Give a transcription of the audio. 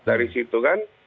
dari situ kan